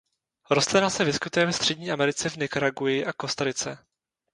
Rostlina se vyskytuje ve Střední Americe v Nikaragui a Kostarice.